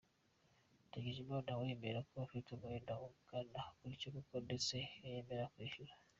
Ndagijimana we yemera ko afite umwenda ungana gutyo koko ndetse ko yemera kwishyura.